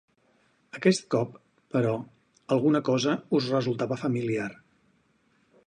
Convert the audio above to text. Aquest cop, però, alguna cosa us resultava familiar.